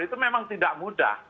itu memang tidak mudah